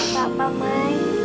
tidak apa apa mai